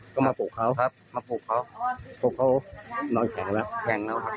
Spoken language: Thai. ก็มาปลูกเขาครับมาปลูกเขาปลูกเขานอนแข็งแล้วแข็งแล้วครับ